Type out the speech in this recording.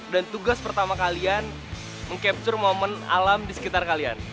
dan tugas pertama kalian mengcapture momen alam di sekitar kalian